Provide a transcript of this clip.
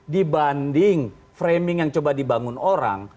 dibanding framing yang coba dibangun orang